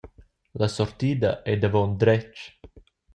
La sortida ei davon dretg.